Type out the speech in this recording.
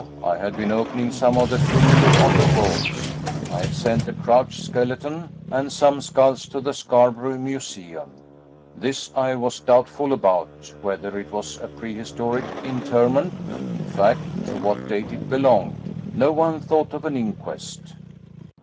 I had been opening some of the tumuli on the Wolds. I had sent a crouched skeleton and some skulls to the Scarborough Museum. This I was doubtful about, whether it was a prehistoric interment in fact, to what date it belonged. No one thought of an inquest."